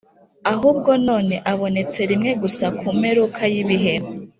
Ahubwo none abonetse rimwe gusa ku mperuka y'ibihe,